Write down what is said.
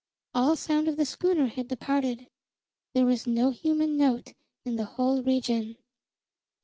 All sound of the schooner had departed; there was no human note in the whole region.